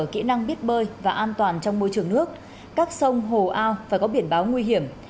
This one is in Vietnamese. kỹ năng biết bơi và an toàn trong môi trường nước các sông hồ ao phải có biển báo nguy hiểm